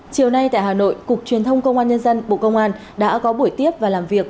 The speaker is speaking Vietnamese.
chiều nay tại hà nội cục truyền thông công an nhân dân bộ công an đã có buổi tiếp và làm việc